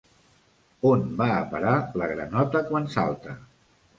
On va a parar la granota quan salta?